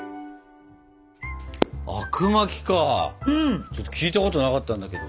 あくまきか聞いたことなかったんだけど。